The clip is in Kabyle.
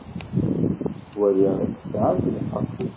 Ttwaliɣ tesɛamt lḥeqq.